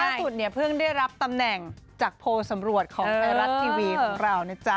ล่าสุดเพิ่งได้รับตำแหน่งจากโพลสำรวจของอารัตทีวีของเรา